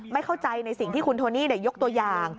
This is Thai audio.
ไม่เข้าใจในสิ่งที่คุณโทนี่ยกตัวอย่าง